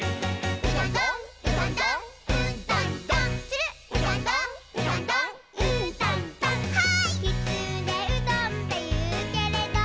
「きつねうどんっていうけれど」